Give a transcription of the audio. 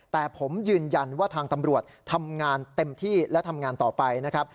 แต่ผมยืนยันว่าทางตำรวจทำงานเต็มที่และทำงานต่อไปนะครับ